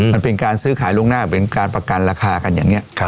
มันเป็นการซื้อขายล่วงหน้าเป็นการประกันราคากันอย่างนี้